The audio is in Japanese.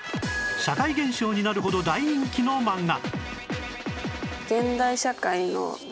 社会現象になるほど大人気の漫画